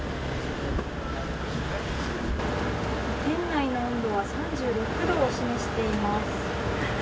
店内の温度は３６度を示しています。